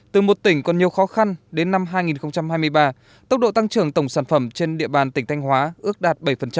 từ một tỉnh còn nhiều khó khăn đến năm hai nghìn hai mươi ba tốc độ tăng trưởng tổng sản phẩm trên địa bàn tỉnh thanh hóa ước đạt bảy